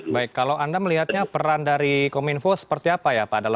baik kalau anda melihatnya peran dari kominfo seperti apa ya pak